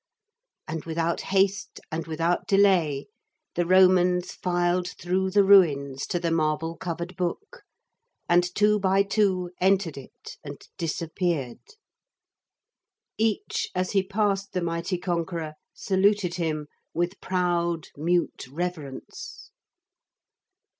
And without haste and without delay the Romans filed through the ruins to the marble covered book, and two by two entered it and disappeared. Each as he passed the mighty conqueror saluted him with proud mute reverence.